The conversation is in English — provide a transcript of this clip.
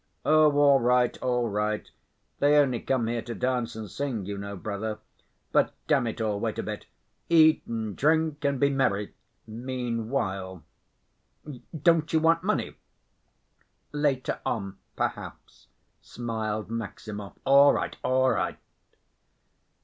"Oh, all right, all right. They only come here to dance and sing, you know, brother. But damn it all, wait a bit!... Eat and drink and be merry, meanwhile. Don't you want money?" "Later on, perhaps," smiled Maximov. "All right, all right...."